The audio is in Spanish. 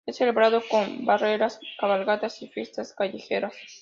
Es celebrado con barreras, cabalgatas y fiestas callejeras.